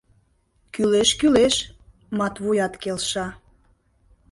— Кӱлеш, кӱлеш, — Матвуят келша.